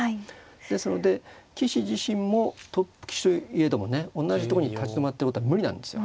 ですので棋士自身もトップ棋士といえどもね同じとこに立ち止まるってことは無理なんですよ。